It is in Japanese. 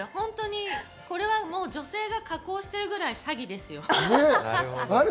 女性が加工しているぐらい詐欺です。